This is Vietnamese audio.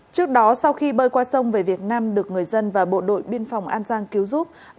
trước đó sau khi bơi qua sông về việt nam được người dân và bộ đội biên phòng an giang cứu giúp